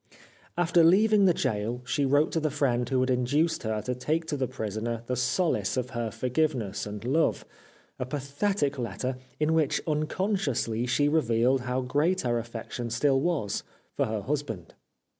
After leaving the gaol she wrote to the friend who had induced her to take to the prisoner the solace of her forgiveness and love a pathetic letter, in which unconsciously she revealed how great her affection still was for her husband.